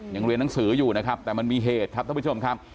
เรียนหนังสืออยู่นะครับแต่มันมีเหตุครับท่านผู้ชมครับ